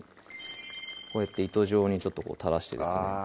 こうやって糸状にちょっと垂らしてですね